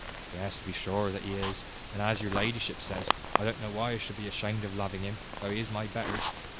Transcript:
Yes, to be sure, that he is, and, as your ladyship says, I don't know why I should be ashamed of loving him, though he is my betters.